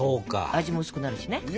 味も薄くなるしね。